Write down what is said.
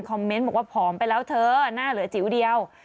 เมนต์บอกว่าผอมไปแล้วเธอหน้าเหลือจิ๋วเดียว